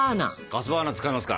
ガスバーナー使いますか。